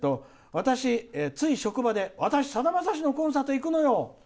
「私、つい職場で私、さだまさしのコンサート行くのよ！